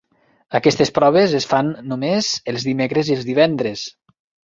Aquestes proves es fan només els dimecres i els divendres.